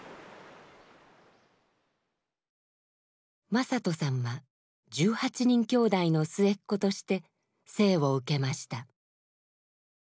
正人さんは１８人きょうだいの末っ子として生を受けました。